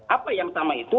apa yang pertama itu